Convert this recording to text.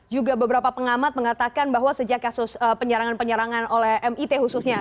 juga beberapa pengamat mengatakan bahwa sejak kasus penyerangan penyerangan oleh mit khususnya